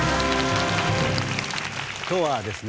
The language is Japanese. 今日はですね